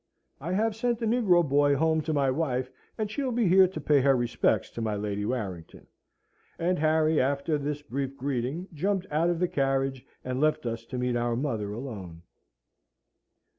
I have sent a negro boy home to my wife, and she'll be here to pay her respects to my Lady Warrington." And Harry, after this brief greeting, jumped out of the carriage, and left us to meet our mother alone.